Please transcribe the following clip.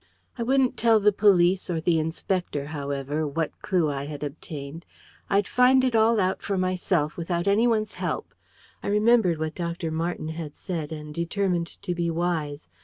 I wouldn't tell the police or the inspector, however, what clue I had obtained. I'd find it all out for myself without anyone's help. I remembered what Dr. Marten had said, and determined to be wise.